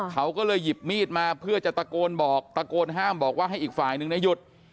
เขาก็เลยหยิบมีดมาเพื่อจะตะโกนห้ามบอกให้อีกฝ่ายนึงได้หยุด